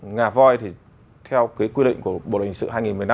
nga voi thì theo cái quy định của bộ đồng hình sự hai nghìn một mươi năm